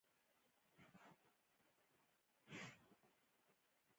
د دې بیتونو په ښکلا کې د اخر بلاغت برخه کمه نه ده.